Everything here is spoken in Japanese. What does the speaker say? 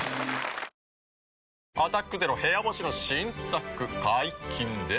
「アタックＺＥＲＯ部屋干し」の新作解禁です。